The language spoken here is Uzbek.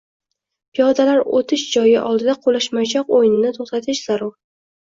Piyodalar o‘tish joyi oldida quvlashmachoq o‘yinini to‘xtatish zarur